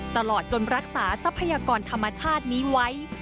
ตลอดจนรักษาทรัพยากรธรรมชาตินี้ไว้